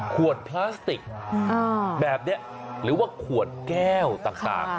ขวดพลาสติกแบบนี้หรือว่าขวดแก้วต่าง